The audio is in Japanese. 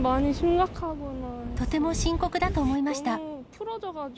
とても深刻だと思いました。